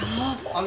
ああ。